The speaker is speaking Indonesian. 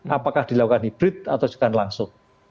apakah dilakukan hibrid atau juga langsung